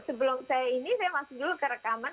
sebelum saya ini saya masuk dulu ke rekaman